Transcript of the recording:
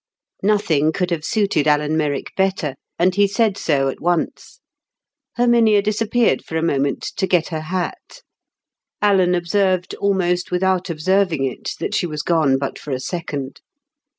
Nothing could have suited Alan Merrick better, and he said so at once. Herminia disappeared for a moment to get her hat. Alan observed almost without observing it that she was gone but for a second.